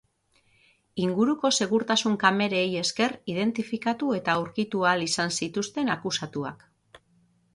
Inguruko segurtasun-kamerei esker identifikatu eta aurkitu ahal izan zituzten akusatuak.